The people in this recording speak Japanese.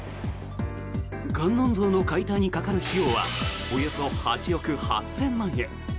観音像の解体にかかる費用はおよそ８億８０００万円。